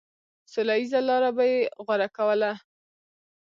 سوله ييزه لاره به يې غوره کوله.